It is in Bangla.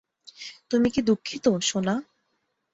তুমি কি দুঃখিত, সোনা?